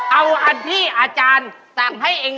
เอาอันที่อาจารย์สั่งให้เอง